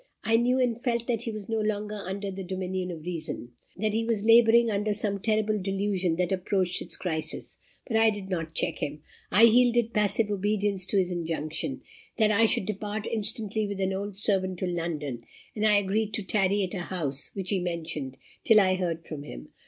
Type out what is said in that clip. I knew and felt that he was no longer under the dominion of reason that he was labouring under some terrible delusion that approached its crisis; but I did not check him. I yielded passive obedience to his injunction, that I should depart instantly with an old servant to London; and I agreed to tarry at a house, which he mentioned, till I heard from him.